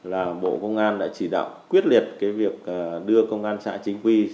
là bộ công an đã chỉ đạo quyết liệt cái việc đưa công an xã chính quy